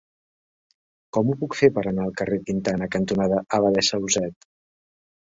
Com ho puc fer per anar al carrer Quintana cantonada Abadessa Olzet?